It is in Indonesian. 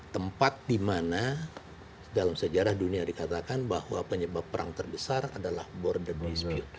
tempat di mana dalam sejarah dunia dikatakan bahwa penyebab perang terbesar adalah border dispute